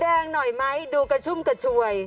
งหน่อยไหมดูกระชุ่มกระชวย